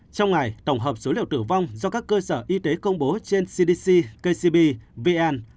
trong ngày tổng hợp số liệu tử vong do các cơ sở y tế công bố trên cdc kcb vn